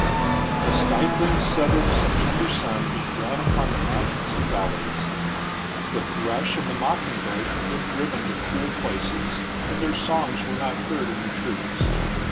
II. A stifling Southern September sun beat down upon the mountains and valleys. The thrush and the mocking bird had been driven to cool places, and their songs were not heard in the trees.